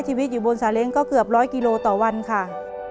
เปลี่ยนเพลงเพลงเก่งของคุณและข้ามผิดได้๑คำ